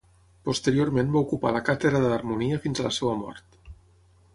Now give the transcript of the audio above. Posteriorment va ocupar la càtedra d'harmonia fins a la seva mort.